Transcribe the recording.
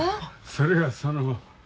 それがその。